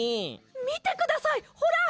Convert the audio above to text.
みてくださいほら！